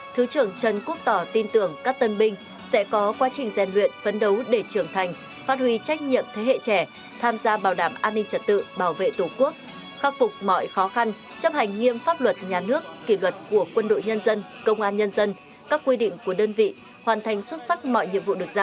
thứ trưởng trần quốc tỏ tin tưởng các tân binh sẽ có quá trình gian luyện phấn đấu để trưởng thành phát huy trách nhiệm thế hệ trẻ tham gia bảo đảm an ninh trật tự bảo vệ tổ quốc khắc phục mọi khó khăn chấp hành nghiêm pháp luật nhà nước kỷ luật của quân đội nhân dân công an nhân dân các quy định của đơn vị hoàn thành xuất sắc mọi nhiệm vụ được giao